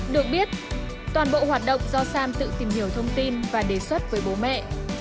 được biết toàn bộ hoạt động do sam tự tìm hiểu thông tin và đề xuất với bố mẹ